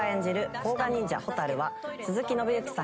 甲賀忍者蛍は鈴木伸之さん